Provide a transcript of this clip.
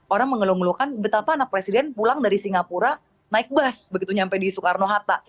orang mengeluh ngeluhkan betapa anak presiden pulang dari singapura naik bus begitu sampai di soekarno hatta